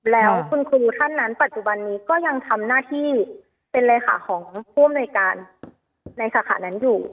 แล้วคุณครูท่านนั้นปัจจุบันนี้ก็ยังทำหน้าที่เป็นเลขาของผู้อำนวยการในสาขานั้นอยู่